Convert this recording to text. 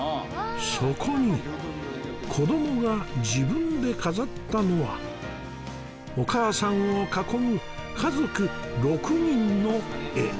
そこに子どもが自分で飾ったのはお母さんを囲む家族６人の絵